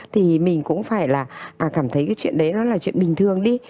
thì mình cũng phải là cảm thấy cái chuyện đấy nó là chuyện bình thường đi